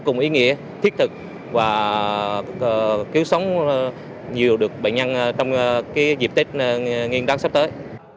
cùng ý nghĩa thiết thực và cứu sống nhiều được bệnh nhân trong dịp tết nguyên đáng sắp tới